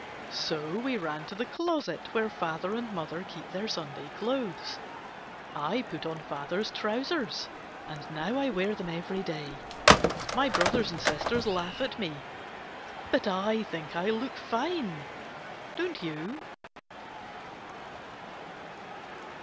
So we ran; to the closet where father and mother keep their Sunday clothes. I put on father's trousers, and now I wear them every day. My brothers and sisters laugh at me. But I think I look fine, don't you